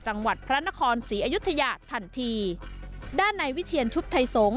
จังหวัดพระนครศรีอยุธยาทันทีด้านในวิเชียนชุดไทยสงศ